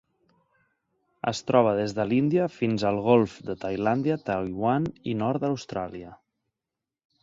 Es troba des de l'Índia fins al Golf de Tailàndia, Taiwan i nord d'Austràlia.